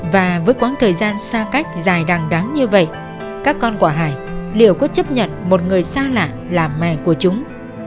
và với quãng thời gian xa cách dài đằng đáng như vậy các con của hải liệu có chấp nhận một người xa lạ là mẹ của chúng